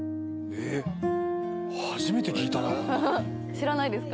知らないですか？